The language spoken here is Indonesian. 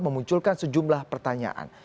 memunculkan sejumlah pertanyaan